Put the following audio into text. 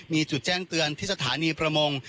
มีจุดแจ้งเตือนที่สถานีประมง